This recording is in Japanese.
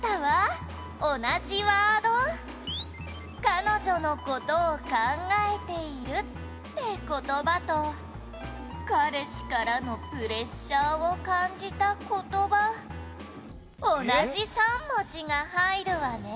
「彼女の事を考えているって言葉と彼氏からのプレッシャーを感じた言葉」「同じ３文字が入るわね」